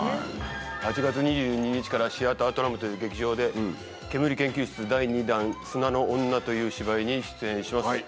８月２２日から、シアタートラムという劇場で、ケムリ研究室第２弾、砂の女という芝居に出演します。